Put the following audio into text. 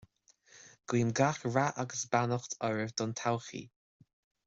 Guím gach rath agus beannacht oraibh don todhchaí